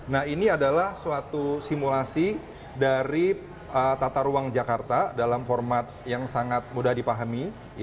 nah ini adalah suatu simulasi dari tata ruang jakarta dalam format yang sangat mudah dipahami